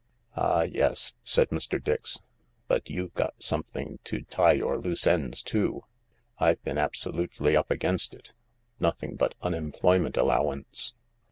"Ah, yes," said Mr. Dix, " but you've got something to tie your loose ends to. I've been absolutely up against it. Nothing but unemployment allowance."